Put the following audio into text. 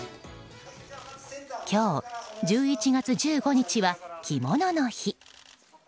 今日、１１月１５日は着物の日。